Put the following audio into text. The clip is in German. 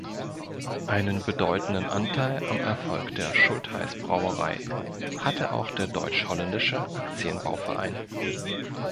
Einen bedeutenden Anteil am Erfolg der Schultheiss-Brauerei hatte auch der "Deutsch-Holländische Actien-Bauverein".